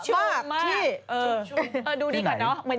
ชุ่มดูดีค่ะเนอะ